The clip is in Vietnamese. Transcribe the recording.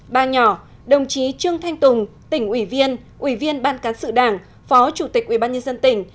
ba nhỏ đồng chí trương thanh tùng tỉnh ủy viên ủy viên ban cán sự đảng phó chủ tịch ủy ban nhân dân tỉnh